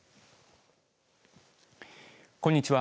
こんにちは。